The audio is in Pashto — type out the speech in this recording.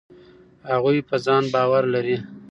هغوی په ځان باور لري.